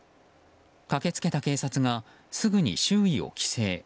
駆け付けた警察がすぐに周囲を規制。